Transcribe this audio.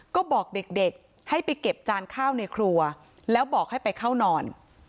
ก็บอกเด็กให้ไปเก็บจานข้าวในครัวแล้วบอกให้ไปเข้านอน